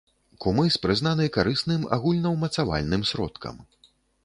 Кумыс прызнаны карысным агульнаўмацавальным сродкам.